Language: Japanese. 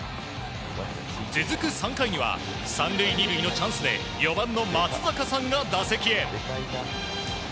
続く３回には３塁２塁のチャンスで４番の松坂さんが打席へ。